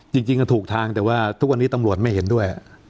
จริงก็ถูกทางแต่ว่าทุกวันนี้ตำรวจไม่เห็นด้วย